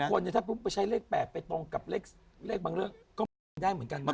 บางคนเนี่ยถ้าใช้เลข๘ไปตรงกับเลขบางเรื่องก็ไม่ได้เหมือนกันนะฮะ